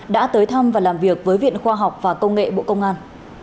đã tới thăm và làm việc với viện khoa học và công nghệ bộ công an